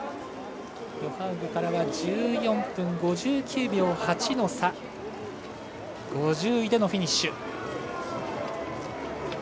ヨハウグからは１４分５９秒８の差５０位でのフィニッシュ。